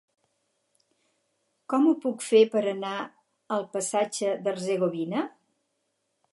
Com ho puc fer per anar al passatge d'Hercegovina?